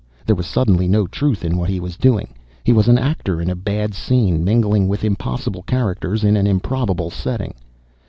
There was suddenly no truth in what he was doing. He was an actor in a bad scene, mingling with impossible characters in an improbable setting.